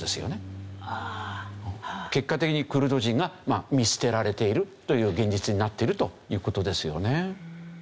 結果的にクルド人が見捨てられているという現実になっているという事ですよね。